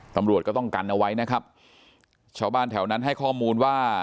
ตำรวจก็ต้องกันเอาไว้นะครับชาวบ้านแถวนั้นให้ข้อมูลว่า